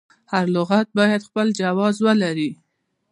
هر لغت باید خپل جواز ولري.